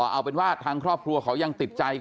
เอาเป็นว่าทางครอบครัวเขายังติดใจ